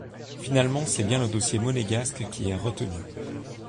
Finalement c’est bien le dossier monégasque qui est retenu.